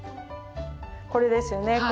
これですよね。